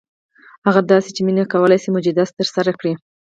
هغه داسې چې مينه کولی شي معجزه ترسره کړي.